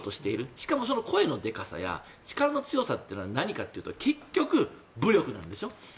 しかも、その声のでかさや力の強さというのは何かというと結局、武力なんですよ。